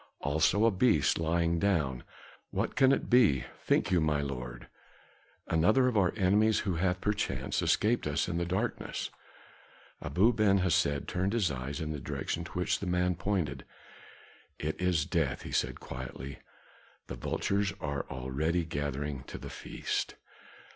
"Also a beast, lying down. What can it be, think you, my lord? Another of our enemies who hath perchance escaped us in the darkness?" Abu Ben Hesed turned his eyes in the direction to which the man pointed. "It is death," he said quietly. "The vultures are already gathering to the feast."